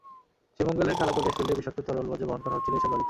শ্রীমঙ্গলের কালাপুর গ্যাসফিল্ডের বিষাক্ত তরল বর্জ্য বহন করা হচ্ছিল এসব লরিতে।